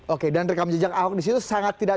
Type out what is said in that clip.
oke dan rekam jejak ahok disitu sangat tidak